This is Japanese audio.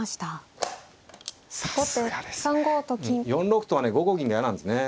４六とはね５五銀が嫌なんですね。